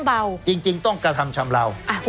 แล้วเขาก็ใช้วิธีการเหมือนกับในการ์ตูน